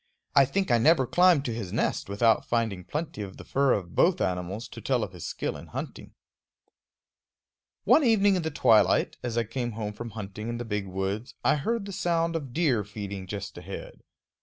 I think I never climbed to his nest without finding plenty of the fur of both animals to tell of his skill in hunting. One evening in the twilight, as I came home from hunting in the big woods, I heard the sound of deer feeding just ahead.